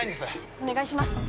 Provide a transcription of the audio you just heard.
お願いします